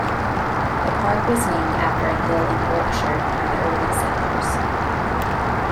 The park was named after a hill in Yorkshire by the early settlers.